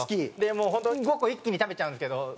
もうホント５個一気に食べちゃうんですけど。